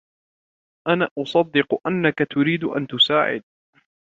أنا أصدق أنك تريد أن تساعد